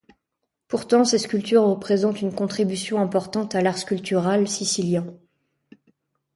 Pourtant, ses sculptures représentent une contribution importante à l’art sculptural sicilien.